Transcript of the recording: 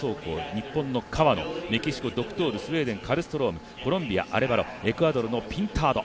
日本の川野、メキシコドクトールスウェーデン、カルストロームコロンビアのアレバロエクアドルのピンタード。